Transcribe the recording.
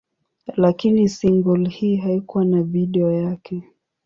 Lakini single hii haikuwa na video yake.